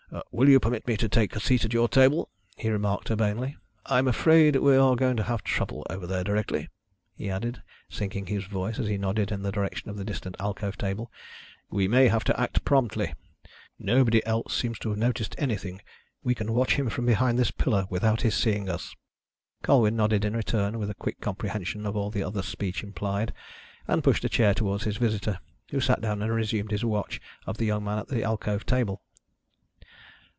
"Will you permit me to take a seat at your table?" he remarked urbanely. "I am afraid we are going to have trouble over there directly," he added, sinking his voice as he nodded in the direction of the distant alcove table. "We may have to act promptly. Nobody else seems to have noticed anything. We can watch him from behind this pillar without his seeing us." Colwyn nodded in return with a quick comprehension of all the other's speech implied, and pushed a chair towards his visitor, who sat down and resumed his watch of the young man at the alcove table.